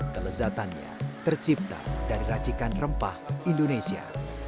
kelezatannya tercipta dari racikan rempah indonesia